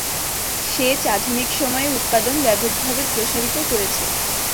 সেচ আধুনিক সময়ে উৎপাদন ব্যাপকভাবে প্রসারিত করেছে।